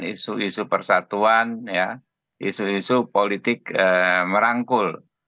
isu isu persatuan isu isu politik merangkul